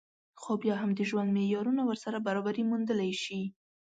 خو بيا هم د ژوند معيارونه ورسره برابري موندلی شي